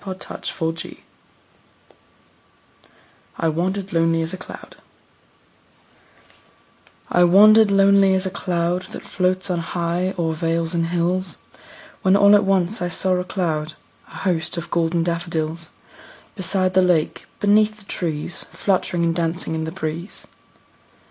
William Wordsworth I Wandered Lonely As a Cloud I WANDERED lonely as a cloud That floats on high o'er vales and hills, When all at once I saw a crowd, A host, of golden daffodils; Beside the lake, beneath the trees, Fluttering and dancing in the breeze.